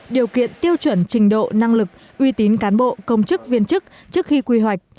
điều kiện tiêu chuẩn trình độ năng lực uy tín cán bộ công chức viên chức trước khi quy hoạch